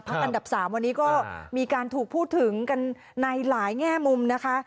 อันดับ๓วันนี้ก็มีการถูกพูดถึงกันในหลายแง่มุมนะคะ